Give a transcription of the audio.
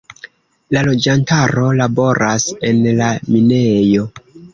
La loĝantaro laboras en la minejo.